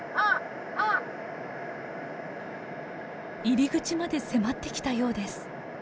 入り口まで迫ってきたようです。